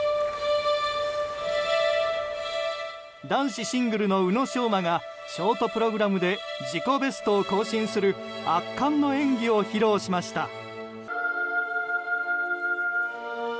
男子シングルの宇野昌磨がショートプログラムで自己ベストを更新する圧巻の演技を披露しました。